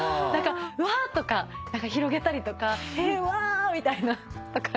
うわとか広げたりとかへうわみたいなとか。